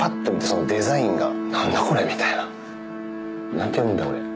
何て読むんだこれ。